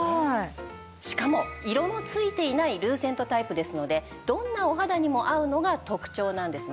しかも色のついていないルーセントタイプですのでどんなお肌にも合うのが特徴なんですね。